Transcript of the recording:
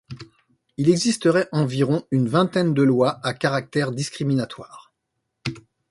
Il existerait environ une vingtaine de lois à caractère discriminatoire.